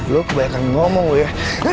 lu kebanyakan ngomong gue